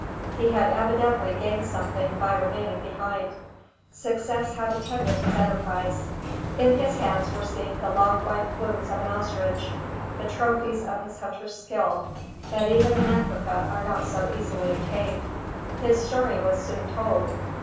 He had evidently gained something by remaining behind. Success had attended his enterprise. In his hands were seen the long white plumes of an ostrich, the trophies of his hunter skill, that even in Africa are not so easily obtained. His story was soon told.